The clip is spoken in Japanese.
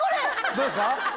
どうですか？